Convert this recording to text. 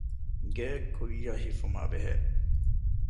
ގެއެއްކުއްޔަށް ހިފުމާބެހޭ